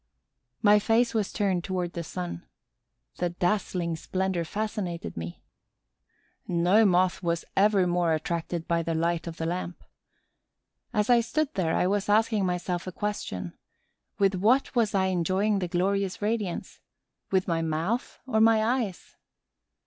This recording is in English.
My face was turned toward the sun. The dazzling splendor fascinated me. No Moth was ever more attracted by the light of the lamp. As I stood there, I was asking myself a question. With what was I enjoying the glorious radiance, with my mouth or my eyes?